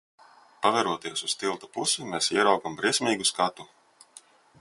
Paveroties uz tilta pusi mēs ieraugam briesmīgu skatu.